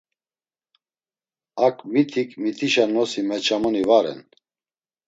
Ak mitik mitişa nosi meçamoni va ren.